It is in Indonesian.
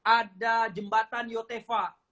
ada jembatan yotefa